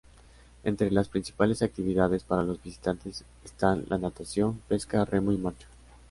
Entre las principales actividades para los visitantes están la natación, pesca, remo y marcha.